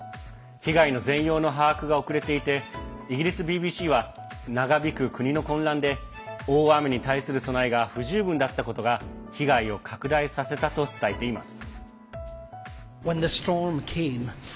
被害の全容の把握が遅れていてイギリスＢＢＣは長引く国の混乱で大雨に対する備えが不十分だったことが被害を拡大させたと伝えています。